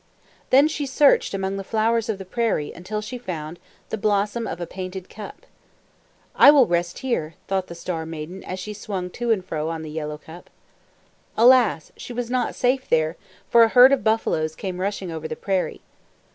Then she searched among the flowers of the prairie, until she found the blossom of a painted cup. "I will rest here," thought the Star Maiden as she swung to and fro on the yellow cup. Alas! She was not safe there, for a herd of buffaloes came rushing over the prairie.